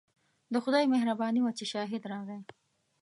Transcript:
د خدای مهرباني وه چې شاهد راغی.